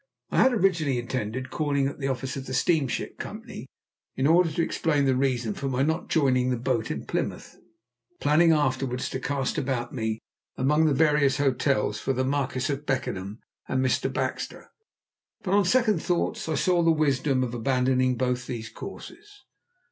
I had originally intended calling at the office of the steamship company in order to explain the reason of my not joining the boat in Plymouth, planning afterwards to cast about me, among the various hotels, for the Marquis of Beckenham and Mr. Baxter. But, on second thoughts, I saw the wisdom of abandoning both these courses.